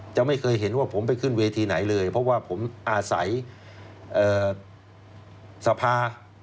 จะไม่เคยเห็นว่าผมไปขึ้นเวทีไหนเลยเพราะว่าผมอาศัยสภา